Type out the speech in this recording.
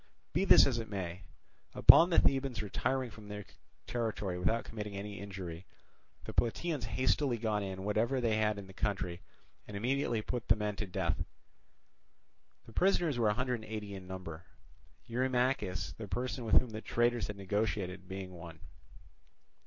Be this as it may, upon the Thebans retiring from their territory without committing any injury, the Plataeans hastily got in whatever they had in the country and immediately put the men to death. The prisoners were a hundred and eighty in number; Eurymachus, the person with whom the traitors had negotiated, being one.